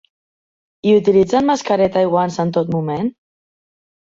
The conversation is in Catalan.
I utilitzen mascareta i guants en tot moment?